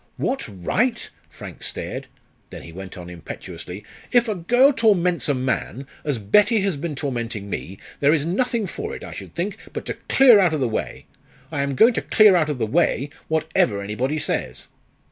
"What right?" Frank stared, then he went on impetuously. "If a girl torments a man, as Betty has been tormenting me, there is nothing for it, I should think, but to clear out of the way. I am going to clear out of the way, whatever anybody says."